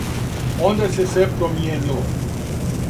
Онда се све промијенило.